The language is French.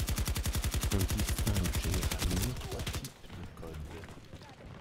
On distingue généralement trois types de codes.